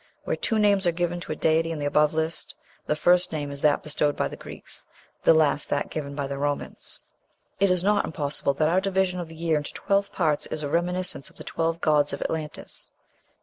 Where two names are given to a deity in the above list, the first name is that bestowed by the Greeks, the last that given by the Romans. It is not impossible that our division of the year into twelve parts is a reminiscence of the twelve gods of Atlantis.